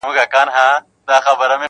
خپل وطن خپل یې څښتن سو خپل یې کور سو-